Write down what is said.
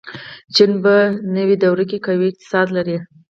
چین په نوې دور کې قوي اقتصاد لري.